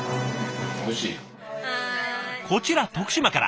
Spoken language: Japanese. こちら徳島から。